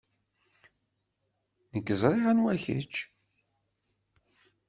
Nekk ẓriɣ anwa kečč.